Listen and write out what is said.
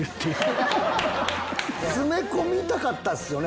詰め込みたかったっすよね